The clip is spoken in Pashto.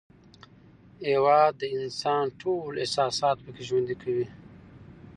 هېواد د انسان ټول احساسات پکې ژوند کوي.